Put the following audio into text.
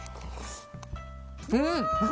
うん！